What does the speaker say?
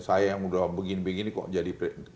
saya yang sudah begini begini kok jadi presiden belum